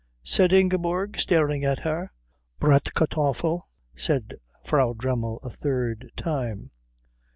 said Ingeborg, staring at her. "Bratkartoffel," said Frau Dremmel a third time.